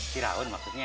si raun maksudnya